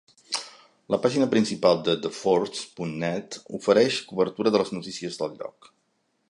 La pàgina principal de TheForce.Net ofereix cobertura de les notícies del lloc.